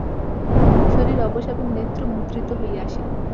শরীর অবশ এবং নেত্র মুদ্রিত হইয়া আসিল।